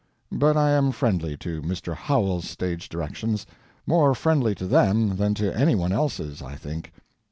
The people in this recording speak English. But I am friendly to Mr. Howells's stage directions; more friendly to them than to any one else's, I think.